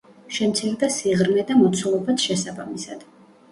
შემცირდა სიღრმე და მოცულობაც, შესაბამისად.